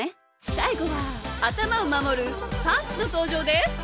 さいごはあたまをまもるパンツのとうじょうです！